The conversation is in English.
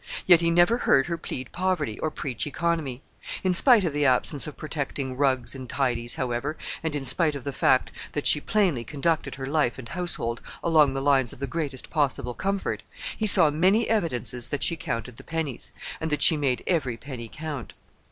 Yet he never heard her plead poverty or preach economy. In spite of the absence of protecting rugs and tidies, however, and in spite of the fact that she plainly conducted her life and household along the lines of the greatest possible comfort, he saw many evidences that she counted the pennies—and that she made every penny count.